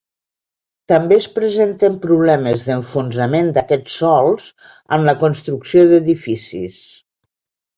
També es presenten problemes d'enfonsament d'aquests sòls en la construcció d'edificis.